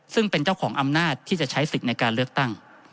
ซึ่งเป็นเจ้าของอำนาจที่จะใช้สิทธิ์ในการเลือกตั้ง